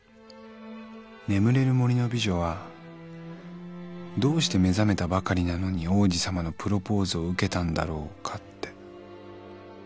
「眠れる森の美女はどうして目覚めたばかりなのに王子さまのプロポーズを受けたんだろうかって」